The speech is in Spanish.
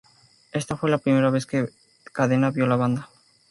Esta fue la primera vez que Dez Cadena vio a la banda.